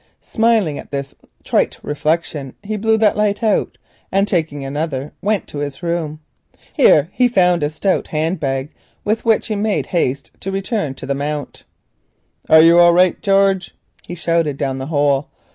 Smiling at this trite reflection, he blew that light out, and, taking another, went to his room. Here he found a stout hand bag, with which he made haste to return to the Mount. "Are you all right, George?" he shouted down the hole.